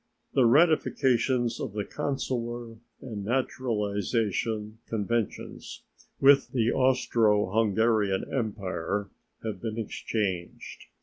The ratifications of the consular and naturalization conventions with the Austro Hungarian Empire have been exchanged.